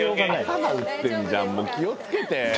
頭打ってんじゃんもう気をつけて。